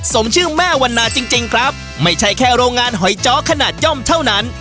สมชื่อแม่วันนาจริงจริงครับไม่ใช่แค่โรงงานหอยจ้อขนาดย่อมเท่านั้น